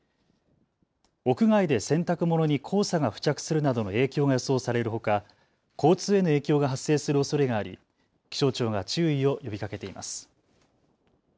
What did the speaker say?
屋外で洗濯物に黄砂が付着するなどの影響が予想されるほか交通への影響が発生するおそれがあり、気象庁が注意を呼びかけています。